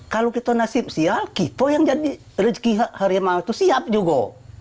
kalau kita berhasil kita yang menjadi rezeki harimau itu siap juga